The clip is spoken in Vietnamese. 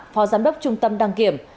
phó giám đốc trung tâm đăng kiểm